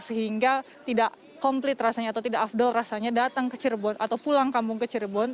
sehingga tidak komplit rasanya atau tidak afdol rasanya datang ke cirebon atau pulang kampung ke cirebon